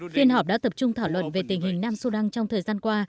phiên họp đã tập trung thảo luận về tình hình nam sudan trong thời gian qua